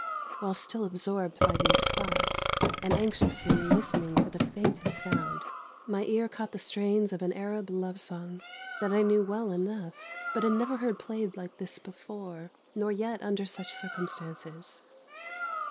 Whilst still absorbed by these thoughts, and anxiously listening for the faintest sound, my ear caught the strains of an Arab love song that I knew well enough, but had never heard played like this before, nor yet under such circumstances.